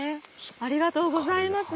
ありがとうございます。